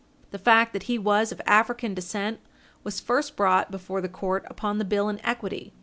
The fact that he was of African descent was first brought before the court upon the bill in equity.